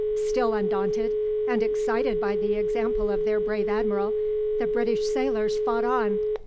Still undaunted, and excited by the example of their brave admiral, the British sailors fought on.